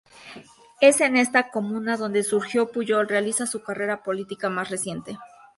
Es en esta comuna donde Sergio Puyol realiza su carrera política más reciente.